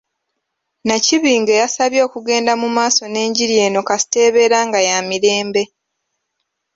Nakibinge yabasabye okugenda mu maaso n’enjiri eno kasita ebeera nga ya mirembe.